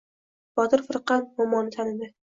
Botir firqa momoni tanidi.